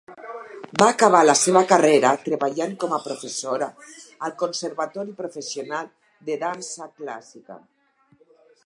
Va acabar la seva carrera treballant com a professora al Conservatori Professional de Dansa Clàssica.